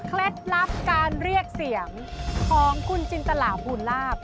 ลับการเรียกเสียงของคุณจินตลาภูลาภ